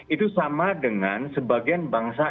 itu sama dengan sebagian bangsa